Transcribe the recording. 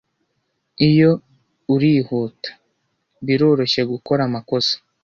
Iyo urihuta, biroroshye gukora amakosa.